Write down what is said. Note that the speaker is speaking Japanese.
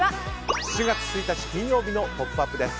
７月１日、金曜日の「ポップＵＰ！」です。